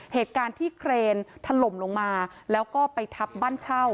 เหตุการณ์ที่เครนถล่มลงมาแล้วก็ไปทับบ้านเช่า